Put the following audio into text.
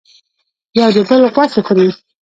یو د بل غوښې خوري.